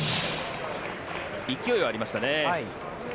勢いはありましたね。